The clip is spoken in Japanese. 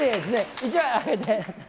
１枚あげて。